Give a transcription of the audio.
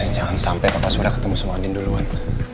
jangan sampai papa sudah ketemu sama andin duluan